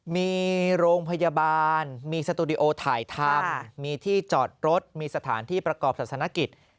มีโรงพยาบาลมีสตูดิโอถ่ายทำมีที่จอดรถมีสถานที่ประกอบศาสนกิจ